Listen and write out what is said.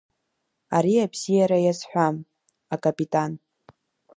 Ари абзиара иазҳәам, акапитан.